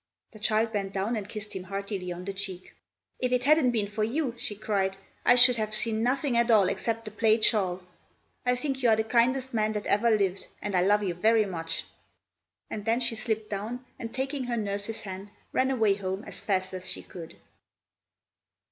The child bent down and kissed him heartily on the cheek. "If it hadn't been for you," she cried, "I should have seen nothing at all except the plaid shawl. I think you are the kindest man that ever lived, and I love you very much." And then she slipped down, and taking her nurse's hand, ran away home as fast as she could.